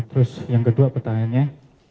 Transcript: terus yang kedua pertanyaannya